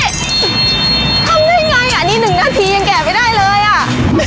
ทำได้ไงอ่ะนี่หนึ่งนาทียังแกะไม่ได้เลยอ่ะ